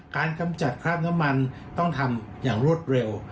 กำจัดคราบน้ำมันต้องทำอย่างรวดเร็ว